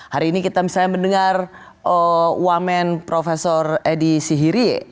hari ini kita misalnya mendengar wamen prof edi sih